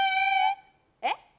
えっ？